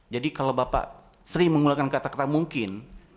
jadi kalau bapak sering menggunakan kata kata mungkin